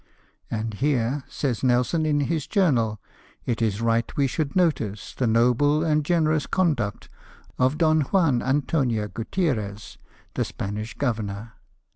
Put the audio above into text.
" And here," says Nelson in his journal, " it is right we should notice the noble and generous conduct of Don Juan Antonio Gutierrez, the Spanish governor.